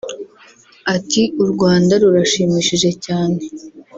Ati “U Rwanda rurashimishije cyane